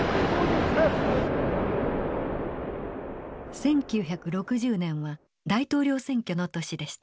１９６０年は大統領選挙の年でした。